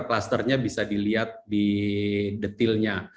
klusternya bisa dilihat di detailnya